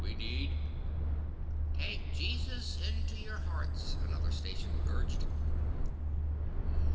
We need " "Take Jesus into your hearts," another station urged.